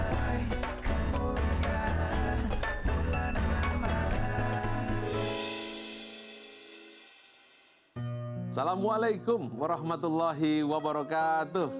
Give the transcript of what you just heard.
assalamualaikum warahmatullahi wabarakatuh